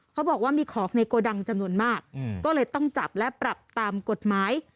เขาบอกว่ามีของในโกดังจำนวนมากก็เลยต้องจับและปรับตามกฎหมาย